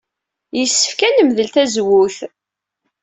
Yessefk ad nemdel tazewwut.